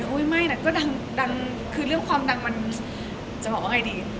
ไม่แต่ก็ดังคือเรื่องความดังมันจะบอกว่าไงดี